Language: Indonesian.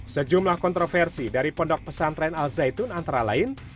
sejumlah kontroversi dari pondok pesantren al zaitun antara lain